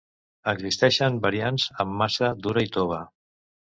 Existeixen variants amb massa dura i tova.